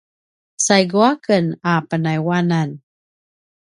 saigu a ken a pinayuanan